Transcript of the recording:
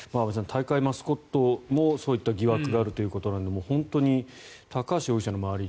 大会マスコットもそういった疑惑があるということなので本当に高橋容疑者の周り